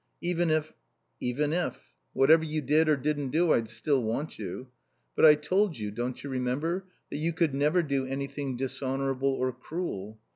"Even if ?" "Even if Whatever you did or didn't do I'd still want you. But I told you don't you remember? that you could never do anything dishonourable or cruel."